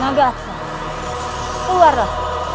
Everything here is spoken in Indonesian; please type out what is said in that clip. maka aksa keluarlah